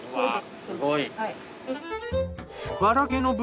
すごい！